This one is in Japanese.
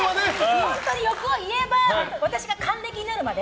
本当に欲を言えば私が還暦になるまで。